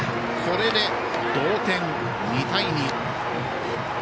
これで同点、２対２。